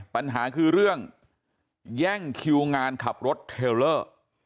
ปัญหาคือเรื่องแย่งคิวงานขับรถเทลเลอร์